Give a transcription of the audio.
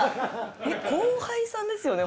えっ後輩さんですよね？